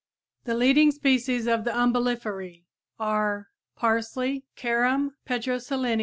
The leading species of the Umbelliferæ are: Parsley (Carum Petroselinum, Benth.